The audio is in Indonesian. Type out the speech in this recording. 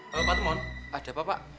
pak temon ada apa pak